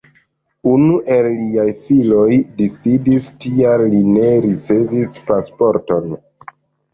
Unu el liaj filoj disidis, tial li ne ricevis pasporton.